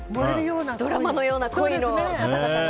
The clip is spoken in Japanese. ドラマのような恋の方々が。